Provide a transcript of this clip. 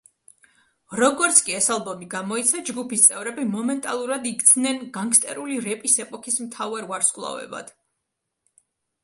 როგორც კი ეს ალბომი გამოიცა, ჯგუფის წევრები მომენტალურად იქცნენ განგსტერული რეპის ეპოქის მთავარ ვარსკვლავებად.